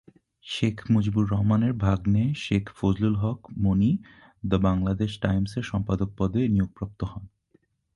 শেখ মুজিবুর রহমানের ভাগ্নে শেখ ফজলুল হক মনি "দ্য বাংলাদেশ টাইমস"-এর সম্পাদক পদে নিয়োগপ্রাপ্ত হন।